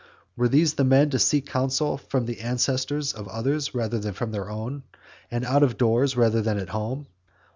Were these the men to seek counsel from the ancestors of others rather than from their own? and out of doors rather than at home?